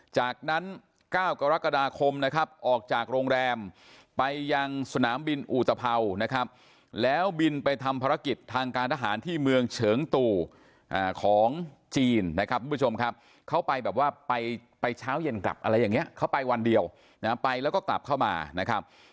จากนั้น๙กรกฎาคมนะครับออกจากโรงแรมไปยังสนามบินอุตภัวนะครับแล้วบินไปทำภารกิจทางการทหารที่เมืองเฉิงตู่ของจีนนะครับทุกผู้ชมครับเขาไปแบบว่าไปเช้าเย็นกลับอะไรอย่างนี้เขาไปวันเดียวนะไปแล้วก็กลับเข้ามานะครับ